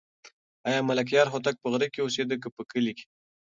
آیا ملکیار هوتک په غره کې اوسېده که په کلي کې؟